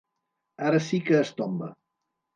Ara sí que es tomba.